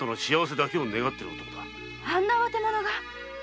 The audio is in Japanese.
あんな慌て者が？